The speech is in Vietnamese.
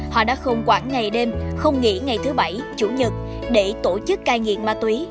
họ đã không quản ngày đêm không nghỉ ngày thứ bảy chủ nhật để tổ chức cai nghiện ma túy